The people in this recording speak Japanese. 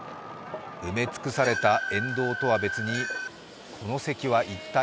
埋め尽くされた沿道とは別に、この席は一体？